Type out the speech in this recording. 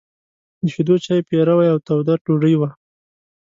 د شيدو چای، پيروی او توده ډوډۍ وه.